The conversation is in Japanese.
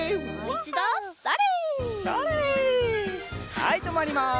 はいとまります。